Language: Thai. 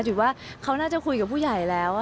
ว่าเขาน่าจะคุยกับผู้ใหญ่แล้ว